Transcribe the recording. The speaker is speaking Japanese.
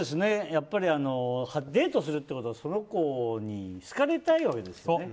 やっぱりデートするってことはその子に好かれたいわけですよね。